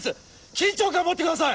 緊張感を持ってください！